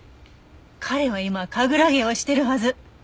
彼は今神楽芸をしてるはず。